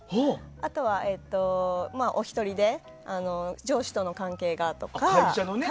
あとは、１人で上司との関係がとか。